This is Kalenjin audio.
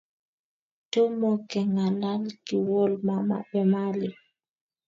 Tomokengalal kiwol mama Emali